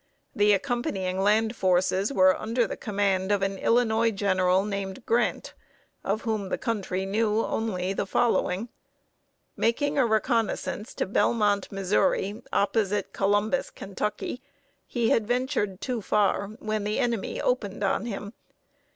The accompanying land forces were under the command of an Illinois general named Grant, of whom the country knew only the following: Making a reconnoissance to Belmont, Missouri, opposite Columbus, Kentucky, he had ventured too far, when the enemy opened on him.